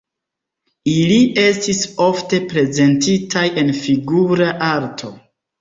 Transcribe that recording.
Ili estis ofte prezentitaj en figura arto.